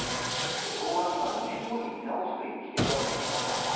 法案には２年後に見直すという規定が盛り込まれました。